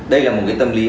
đây là một cái tâm lý